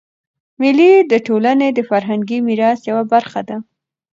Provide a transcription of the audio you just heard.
مېلې د ټولني د فرهنګي میراث یوه برخه ده.